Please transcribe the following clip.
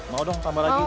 mau dong tambah lagi